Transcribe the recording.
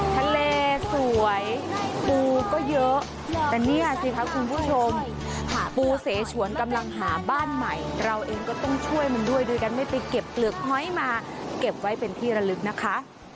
ทะเลสวยปูก็เยอะแต่เนี่ยสิคะคุณผู้ชมปูเสฉวนกำลังหาบ้านใหม่เราเองก็ต้องช่วยมันด้วยโดยการไม่ไปเก็บเปลือกหอยมาเก็บไว้เป็นที่ระลึกนะคะ